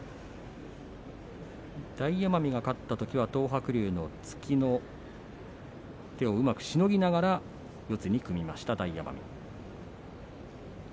大奄美が勝ったときは東白龍の突きの手をうまくしのぎながら四つに組みました。